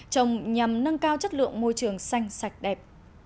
trồng nhằm nâng cao chất lượng môi trường xanh sạch đẹp